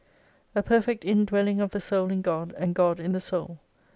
A perfect indwelling of the soul in God, and God in the soul.